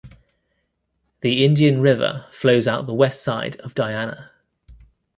The Indian River flows out the west side of Diana.